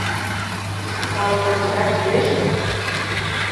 Калык киндан лиеш гын